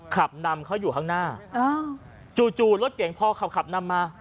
ขับนำเขาอยู่ข้างหน้าจู่รถเก่งพอขับนำมา